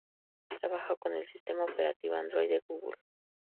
Trabaja con el sistema operativo Android de Google.